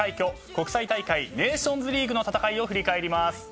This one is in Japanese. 国際大会ネーションズリーグの戦いを振り返ります。